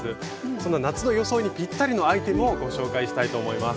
そんな夏の装いにピッタリのアイテムをご紹介したいと思います。